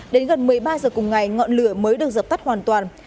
đến gần một mươi ba h cùng ngày ngọn lửa mới được dập tắt hoàn toàn